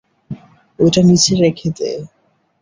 ওইটার নিচে রেখে দে।